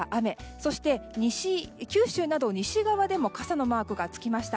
そして、九州など西側でも傘のマークがつきました。